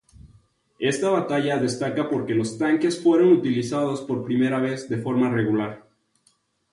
Esta batalla destaca porque los tanques fueron utilizados por primera vez de forma regular.